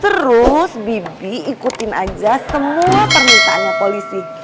terus bibi ikutin aja semua permintaannya polisi